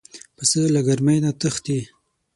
پسه له ګرمۍ نه تښتي.